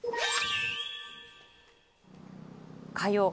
火曜。